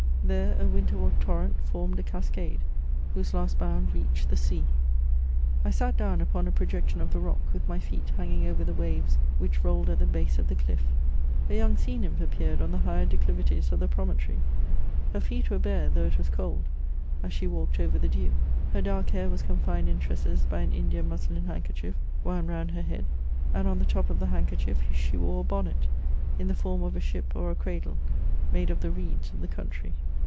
There a winter torrent formed a cascade, whose last hound reached the sea. I sat down upon a projection of the rock, with my feet hanging over the waves wliich rolled at the hase of the clifF. A young sea nymph appeared on the higher declivities of the promontory ; her feet were hare, though it was cold, as she walked over the dew. Her dark hair was confined in tresses hy an India muslin hand kerchief wound round her head ; and on the top of the hand kerchief she wore a honnet, in the form of a ship or a cradle, made of the reeds of the country.